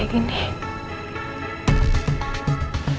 jadi gue bisa jalan kaki